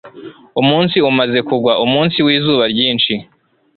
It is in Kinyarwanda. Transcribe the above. umunsi umaze kugwa, umunsi wizuba ryinshi